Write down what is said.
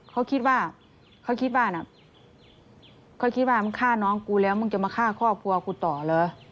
เขาคิดว่ามันฆ่าน้องกูแล้วมึงจะมาฆ่าครอบครัวกูต่อเหรอ